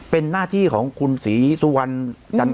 เป็นหน้าที่ของคุณศรีสุวรรณจันท